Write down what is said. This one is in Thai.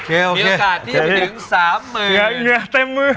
มีโอกาสที่จะไปถึงสามหมื่นเหนือเต็มมือ